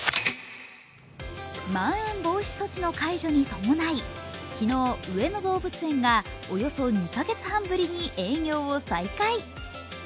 まん延防止措置の解除に伴い昨日、上野動物園がおよそ２カ月半ぶりに営業を再開。